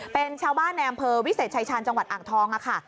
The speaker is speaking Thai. เป็นชาวบ้านในอำเภอวิเศษชายชาญจังหวัดอ่างทองค่ะ